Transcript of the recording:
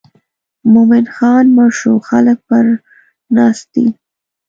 مومن خان مړ شو خلک پر ناست دي.